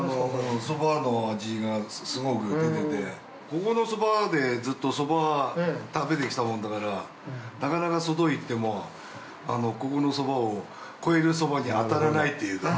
そばの味がすごく出ててここのそばでずっとそば食べてきたもんだからなかなか外行ってもここのそばを超えるそばに当たらないというか。